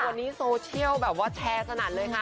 วันนี้โซเชียลแบบว่าแชร์สนั่นเลยค่ะ